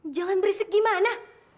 jangan berisik gimana